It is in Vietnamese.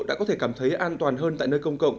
đã có thể cảm thấy an toàn hơn tại nơi công cộng